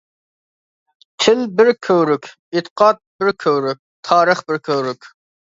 تىل بىر كۆۋرۈك، ئېتىقاد بىر كۆۋرۈك، تارىخ بىر كۆۋرۈك.